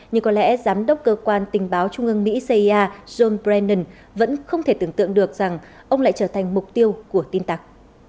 nhưng có lẽ giám đốc cơ quan tình báo trung ương mỹ cia john bran vẫn không thể tưởng tượng được rằng ông lại trở thành mục tiêu của tin tặc